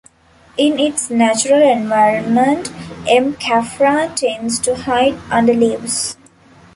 In its natural environment, M. caffra tends to hide under leaves.